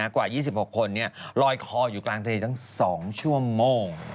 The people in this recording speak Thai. กว่า๒๖คนลอยคออยู่กลางทะเลตั้ง๒ชั่วโมง